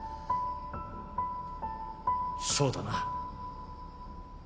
そうだな。